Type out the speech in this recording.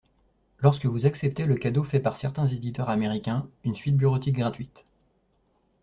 Lorsque vous acceptez le cadeau fait par certains éditeurs américains : une suite bureautique gratuite !